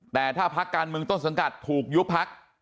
แต่ถ้าพักการเมืองต้นสังกัดถูกยุบพัก